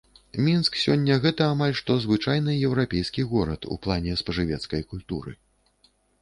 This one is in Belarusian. Мінск сёння гэта амаль што звычайны еўрапейскі горад у плане спажывецкай культуры.